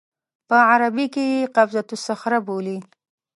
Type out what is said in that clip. په عربي کې یې قبة الصخره بولي.